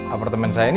apartemen saya ini